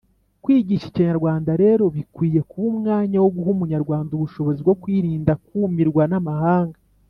Kwigisha ikinyarwanda rero bikwiye kuba umwanya wo guha Umunyarwanda ubushobozi bwo kwirinda kumirwa n’amahanga,